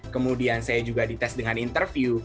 kemudian saya juga di tes dengan interview